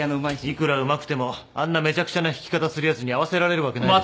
いくらうまくてもあんなめちゃくちゃな弾き方するヤツに合わせられるわけないでしょ。